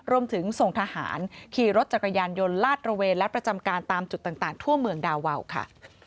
รวมถึงส่งทหารขี่รถจักรยานยนต์ลาดระเวนและประจำการตามจุดต่างทั่วเมืองดาวาวค่ะ